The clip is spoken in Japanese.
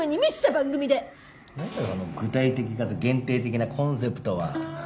なんだよその具体的かつ限定的なコンセプトは。